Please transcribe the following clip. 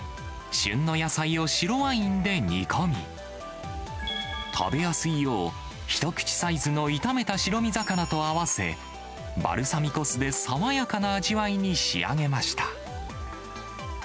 旬の野菜を白ワインで煮込み、食べやすいよう、一口サイズの炒めた白身魚と合わせ、バルサミコ酢で爽やかな味わいに仕上げました。